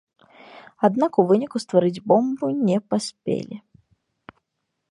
Аднак у выніку стварыць бомбу не паспелі.